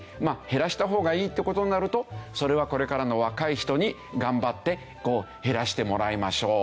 減らした方がいいって事になるとそれはこれからの若い人に頑張って減らしてもらいましょう。